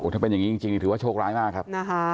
ถ้าเป็นอย่างนี้จริงถือว่าโชคร้ายมากครับ